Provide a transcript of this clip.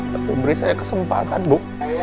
tapi beri saya kesempatan bu